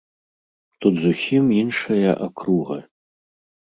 Тут зусім іншая акруга!